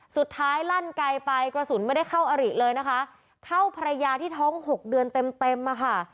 สุดท้ายลั่นไกลไปกระสุนไม่ได้เข้าอริเลยนะคะเข้าภรรยาที่ท้องหกเดือนเต็มเต็มอะค่ะ